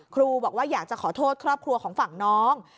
ครูบอกว่าอยากจะขอโทษครอบครัวของฝั่งน้อง